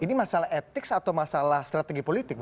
ini masalah etik atau masalah strategi politik